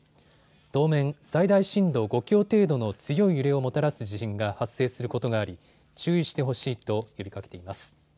当面、最大震度５強程度の強い揺れをもたらす地震が発生することがあり注意してほしいと呼びかけています。